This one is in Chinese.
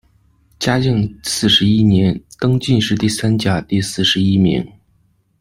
嘉靖四十一年，登进士第三甲第四十一名。